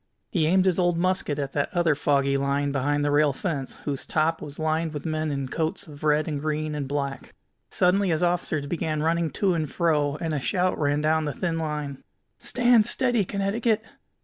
He aimed his old musket at that other foggy line beyond the rail fence, whose top was lined with men in coats of red and green and black. Suddenly his officers began running to and fro, and a shout ran down the thin line: "Stand steady, Connecticut!